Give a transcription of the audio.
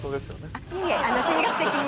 いいえ心理学的に。